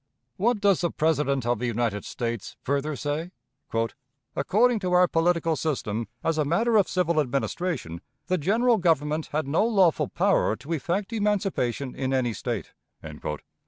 What does the President of the United States further say? "According to our political system, as a matter of civil administration, the General Government had no lawful power to effect emancipation in any State."